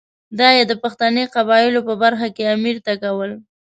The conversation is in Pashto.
دا یې د پښتني قبایلو په برخه کې امیر ته کول.